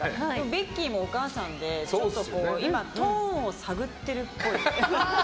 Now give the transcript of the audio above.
ベッキーもお母さんでちょっと今トーンを探っているっぽい。